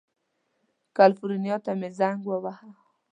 کلیفورنیا ته مې زنګ ووهه.